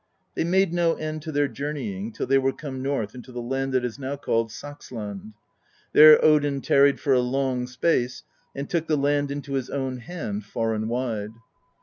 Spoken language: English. They made no end to their jour neying till they were come north into the land that is now called Saxland; there Odin tarried for a long space, and took the land into his own hand, far and wide.